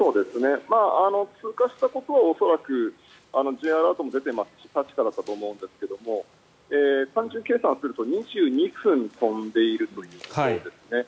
通過したことは、恐らくＪアラートも出ていますし確かだと思うんですが単純計算すると２２分飛んでいるということですね。